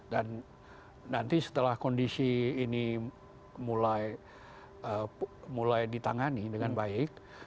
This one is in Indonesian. dan nanti setelah kondisi ini mulai ditangani dengan baik